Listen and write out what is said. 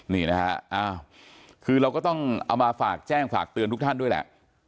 นี่นะฮะคือเราก็ต้องเอามาฝากแจ้งฝากเตือนทุกท่านด้วยแหละ